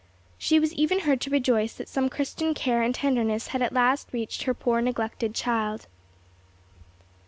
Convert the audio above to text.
She was even heard to rejoice that some Christian care and tenderness had at last reached her poor neglected child.